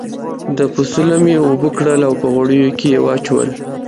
د پسه لم یې اوبه کړل او په غوړیو کې یې واچول.